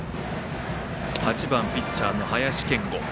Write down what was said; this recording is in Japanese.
８番ピッチャーの林謙吾。